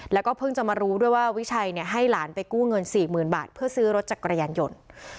แล้วก็เพิ่งจะมารู้ด้วยว่าวิชัยให้หลานไปกู้เงิน๔๐๐๐บาทเพื่อซื้อรถจักรยานยนต์